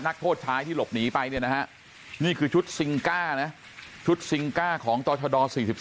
นักโทษชายที่หลบหนีไปเนี่ยนะฮะนี่คือชุดซิงก้านะชุดซิงก้าของต่อชด๔๒